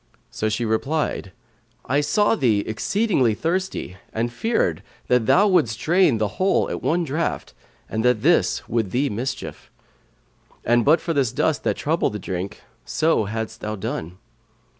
so she replied, "I saw thee exceedingly thirsty and feared that thou wouldst drain the whole at one draught and that this would thee mischief; and but for this dust that troubled the drink so hadst thou done."